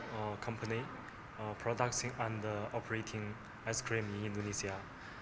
yang memproduksi dan mengoperasikan es krim di indonesia